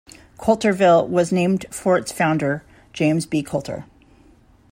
Coulterville was named for its founder, James B. Coulter.